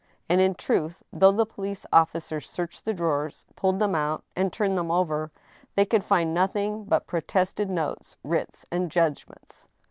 And in truth, though the police officers searched the drawers, pulled them out, and turned them over, they could find nothing but protested notes, writs, and judgments.